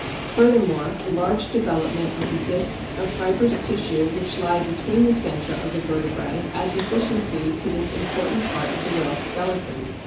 Furthermore, a large development of the discs of fibrous tissue which lie between the centra of the vertebrae adds efficiency to this important part of the whale's skeleton.